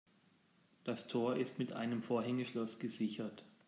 Das Tor ist mit einem Vorhängeschloss gesichert.